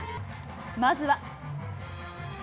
まずは。